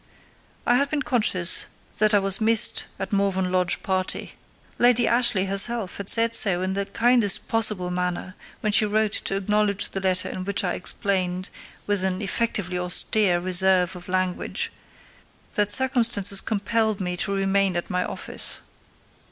I had been conscious that I was missed at Morven Lodge party. Lady Ashleigh herself had said so in the kindest possible manner, when she wrote to acknowledge the letter in which I explained, with an effectively austere reserve of language, that circumstances compelled me to remain at my office.